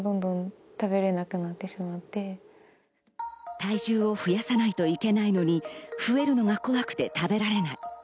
体重を増やさないといけないのに、増えるのが怖くて食べられない。